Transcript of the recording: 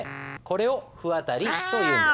これを不渡りというんです。